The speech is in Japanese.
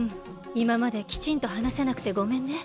いままできちんとはなせなくてごめんね。